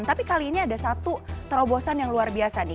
tapi kali ini ada satu terobosan yang luar biasa nih